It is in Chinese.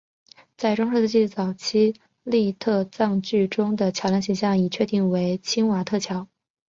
在中世纪早期粟特葬具中的桥梁形象已确定为钦瓦特桥。